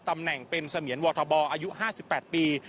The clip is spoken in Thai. ตำแหน่งเป็นเสมียนวทบอายุ๕๘ปี